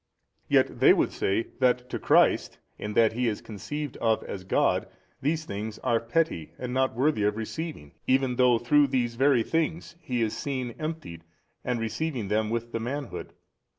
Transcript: A. Yet they would say that to Christ in that He is conceived of as God these things are petty and not worthy of receiving, even though through these very things He is seen emptied and receiving them with the manhood.